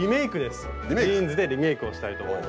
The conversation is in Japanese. ジーンズでリメイクをしたいと思います。